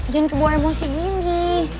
jangan kebawa emosi gini